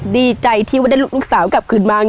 ดีใจที่ว่าได้ลูกสาวกลับคืนมา